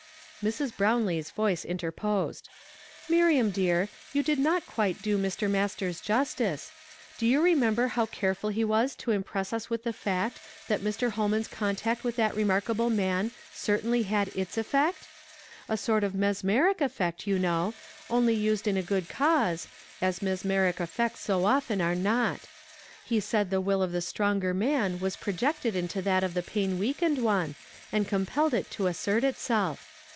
Mrs. Brownlee's voice interposed. " Miriam dear, you did not quite do Mr. Masters justice. Do you remember how careful he was to impress us with the fact that Mr. Holman's con tact with that remarkable man certainly had its effect? A sort of mesmeric effect, you know, only used in a good cause, as mesmeric effects so often are not. He said the will of the stronger man was projected into that of the pain weakened one, and compelled it to assert itself.